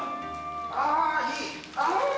あー、いい。